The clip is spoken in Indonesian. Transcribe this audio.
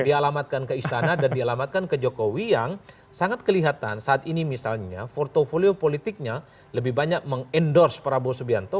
dialamatkan ke istana dan dialamatkan ke jokowi yang sangat kelihatan saat ini misalnya portfolio politiknya lebih banyak mengendorse prabowo subianto